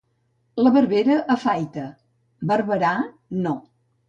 La barbera afaita, Barberà no.